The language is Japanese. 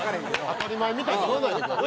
当たり前みたいに言わないでください。